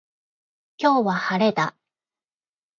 今日は晴れだ。